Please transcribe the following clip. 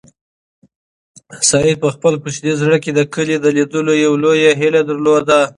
سعید په خپل کوچني زړه کې د کلي د لیدلو یوه لویه هیله درلوده.